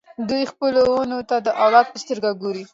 دوی خپلو ونو ته د اولاد په سترګه ګوري.